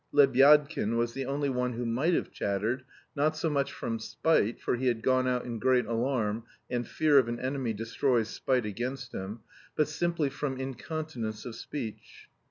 Lebyadkin was the only one who might have chattered, not so much from spite, for he had gone out in great alarm (and fear of an enemy destroys spite against him), but simply from incontinence of speech.